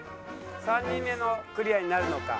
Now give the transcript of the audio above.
３人目のクリアになるのか？